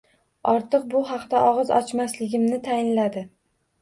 Ortiq bu haqda og`iz ochmasligimnitayinladi